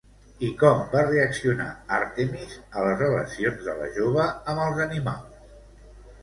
I com va reaccionar Àrtemis a les relacions de la jove amb els animals?